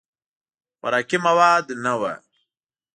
خوراکي مواد نه وو.